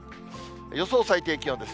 予想最低気温です。